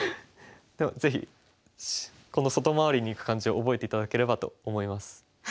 でもぜひこの外回りにいく感じを覚えて頂ければと思います。